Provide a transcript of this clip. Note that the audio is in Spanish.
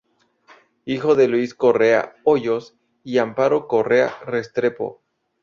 Hijo de Luis Correa Hoyos y Amparo Correa Restrepo.